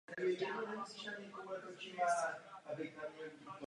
Míra finanční a samosprávné autonomie je zde velice vysoká.